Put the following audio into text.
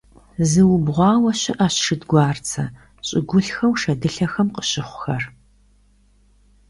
Зыубгъуауэ щыӀэщ шэдгуарцэ щӀыгулъхэу шэдылъэхэм къыщыхъухэр.